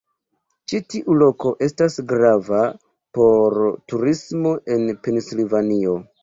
Ĉi tiu loko estas grava por turismo en Pensilvanio.